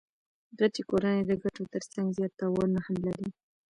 غټي کورنۍ د ګټو ترڅنګ زیات تاوانونه هم لري.